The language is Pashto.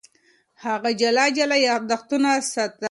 هغه جلا جلا یادښتونه ساتل.